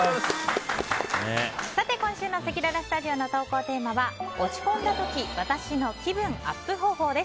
今週のせきららスタジオの投稿テーマは落ち込んだ時私の気分アップ方法です。